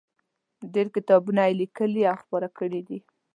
ډېر کتابونه یې لیکلي او خپاره کړي دي.